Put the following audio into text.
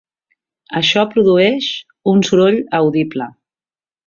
Això produeix un soroll audible.